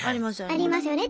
ありますよね。